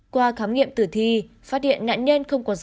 qua khám nghiệm tử thi phát hiện nạn nhân không có dấu hiệu